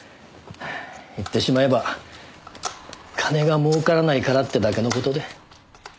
言ってしまえば金が儲からないからってだけの事で。